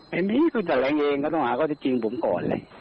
ไม่มีคือแต่ละอย่างเองก็ต้องหาก็จะจิงผมก่อนเลย